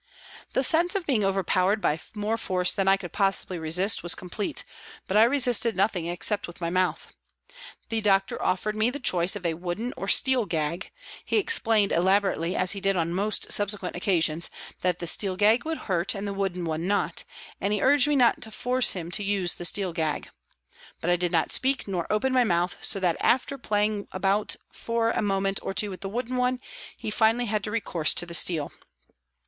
The sense of being overpowered by more force than I could possibly resist was com plete, but I resisted nothing except with my mouth. The doctor offered me the choice of a wooden or steel gag ; he explained elaborately, as he did on most subsequent occasions, that the steel gag would hurt and the wooden one not, and he urged me not WALTON GAOL, LIVERPOOL 269 to force him to use the steel gag. But I did not speak nor open my mouth, so that after playing about for a moment or two with the wooden one he finally had recourse to the steel.